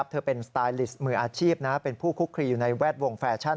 เธอเป็นสไตลิสต์มืออาชีพเป็นผู้คุกคลีอยู่ในแวดวงแฟชั่น